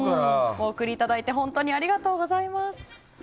お送りいただいて本当にありがとうございます。